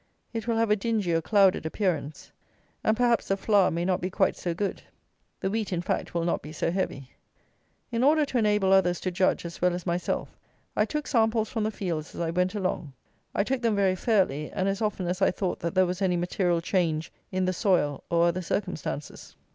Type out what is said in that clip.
It will have a dingy or clouded appearance; and perhaps the flour may not be quite so good. The wheat, in fact, will not be so heavy. In order to enable others to judge, as well as myself, I took samples from the fields as I went along. I took them very fairly, and as often as I thought that there was any material change in the soil or other circumstances.